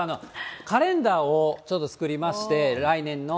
カレンダーをちょっと作りまして、来年の。